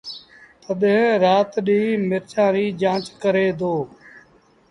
تڏهيݩ رآت ڏيݩهݩ مرچآݩ ريٚ جآݩچ ڪري دو